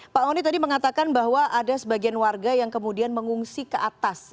pak oni tadi mengatakan bahwa ada sebagian warga yang kemudian mengungsi ke atas